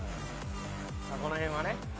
まあこの辺はね。